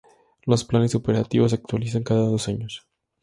Los planes operativos se actualizan cada dos años.